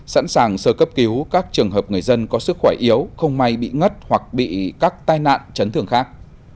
sẵn sàng sơ cấp cứu các trường hợp người dân có sức khỏe yếu không may bị ngất hoặc bị các tai nạn chấn thường khác